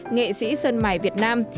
nghệ sĩ sân mải việt nam